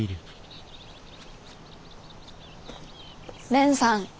蓮さん。